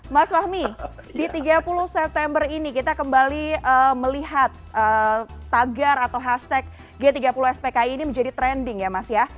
mas fahmi di tiga puluh september ini kita kembali melihat tagar atau hashtag g tiga puluh spki ini menjadi trending ya mas ya